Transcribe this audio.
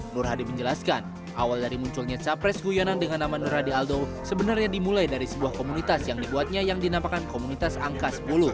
nur hadi menjelaskan awal dari munculnya capres guyonan dengan nama nur hadi aldo sebenarnya dimulai dari sebuah komunitas yang dibuatnya yang dinamakan komunitas angka sepuluh